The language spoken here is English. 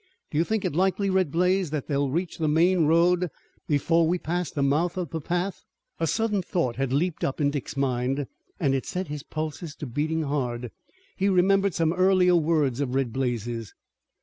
Do you think it likely, Red Blaze, that they'll reach the main road before we pass the mouth of the path?" A sudden thought had leaped up in Dick's mind and it set his pulses to beating hard. He remembered some earlier words of Red Blaze's.